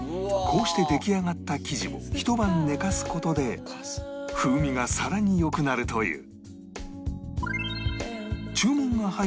こうして出来上がった生地をひと晩寝かす事で風味がさらに良くなるという